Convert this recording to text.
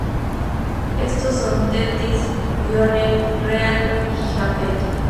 Estos son Tetis, Dione, Rea y Jápeto.